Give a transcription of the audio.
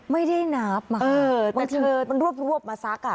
ไม่ได้นับมาค่ะมันรวบมาซัก